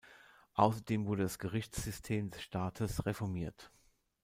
Außerdem wurde das Gerichtssystem des Staates reformiert.